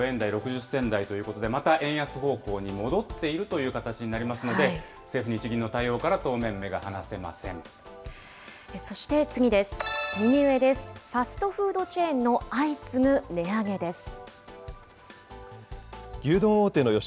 １ドル１４４円６５銭台ということで、また円安に戻っているという形になりますので、政府・日銀の対応から当面、目が離せまそして次です。